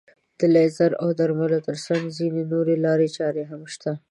د لیزر او درملو تر څنګ ځينې نورې لارې چارې هم شته.